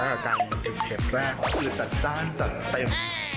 แต่ว่าครั้งแรกสื่อจัดจ้านจัดเต็ม